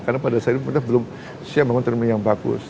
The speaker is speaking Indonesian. karena pada saat ini benar benar belum siap bangun terminal yang bagus